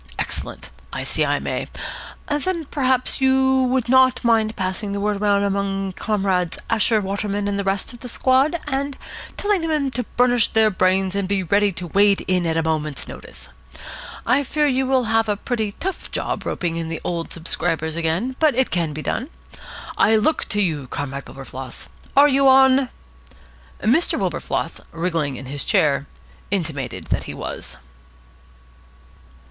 Excellent. I see I may. Then perhaps you would not mind passing the word round among Comrades Asher, Waterman, and the rest of the squad, and telling them to burnish their brains and be ready to wade in at a moment's notice. I fear you will have a pretty tough job roping in the old subscribers again, but it can be done. I look to you, Comrade Wilberfloss. Are you on?" Mr. Wilberfloss, wriggling in his chair, intimated that he was.